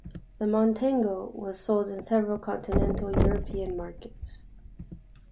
The Montego was sold in several continental European markets.